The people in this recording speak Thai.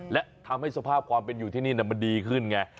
และทำให้สภาพความเป็นอยู่ที่นี่มันดีขึ้นไง